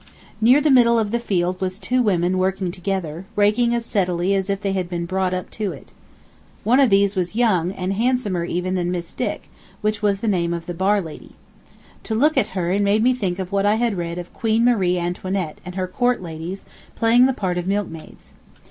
Near the middle of the field was two women working together, raking as steadily as if they had been brought up to it. One of these was young, and even handsomer than Miss Dick, which was the name of the bar lady. To look at her made me think of what I had read of Queen Marie Antoinette and her court ladies playing the part of milkmaids.